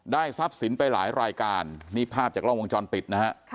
ทรัพย์สินไปหลายรายการนี่ภาพจากกล้องวงจรปิดนะฮะ